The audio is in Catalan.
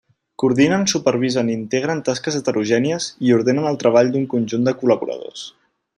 Coordinen, supervisen i integren tasques heterogènies i ordenen el treball d'un conjunt de col·laboradors.